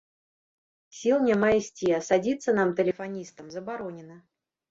Сіл няма ісці, а садзіцца нам, тэлефаністам, забаронена.